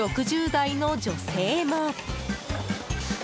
６０代の女性も。